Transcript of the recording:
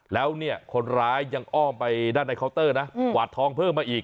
แล้วเนี่ยคนร้ายยังอ้อมไปด้านในเคาน์เตอร์นะกวาดทองเพิ่มมาอีก